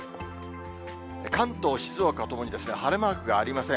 関東、静岡ともに晴れマークがありません。